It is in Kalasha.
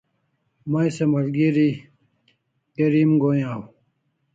May se malgeri geri em goi aw